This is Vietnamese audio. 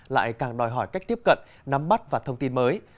lại càng đòi hỏi cách tiếp cận nắm bắt và thông tin mới